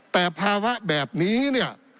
แต่ภาวะแบบนี้เนี่ย